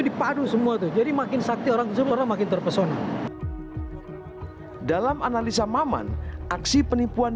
dipadu semua tuh jadi makin sakti orang semua makin terpesona dalam analisa maman aksi penipuan